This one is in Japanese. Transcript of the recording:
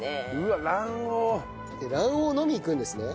卵黄のみいくんですね？